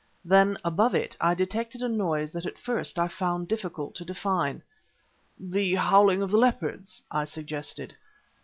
Then, above it, I detected a noise that at first I found difficult to define. "The howling of the leopards!" I suggested.